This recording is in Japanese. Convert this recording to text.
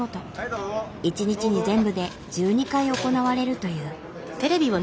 一日に全部で１２回行われるという。